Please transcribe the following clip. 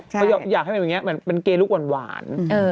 เขาอยากให้มันเป็นเกรลุกหวาน